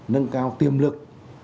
nâng cao tiêm lực